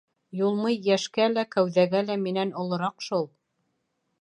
Юлмый йәшкә лә, кәүҙәгә лә минән олораҡ шул.